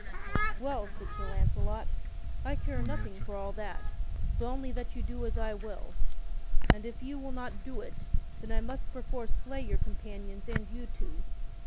"Well," said Sir Launcelot, "I care nothing for all that, but only that you do as I will. And if ye do not do it, then I must perforce slay your companions and you two.